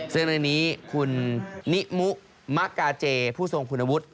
ซึ่งในนี้คุณนิมุมะกาเจผู้ทรงคุณวุฒิ